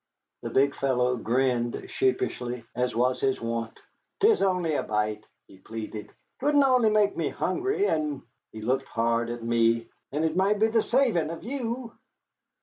The big fellow grinned sheepishly, as was his wont. "'Tis only a bite," he pleaded, "'twouldn't only make me hungry, and" he looked hard at me "and it might be the savin' of you.